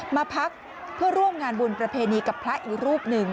มาพักเพื่อร่วมงานบุญประเพณีกับพระอีกรูปหนึ่ง